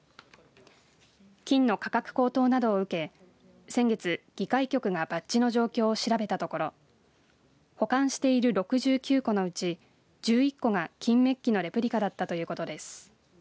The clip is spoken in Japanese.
金の価格高騰などを受け先月、議会局がバッジの状況を調べたところ保管している６９個のうち１１個が金メッキのレプリカだったということです。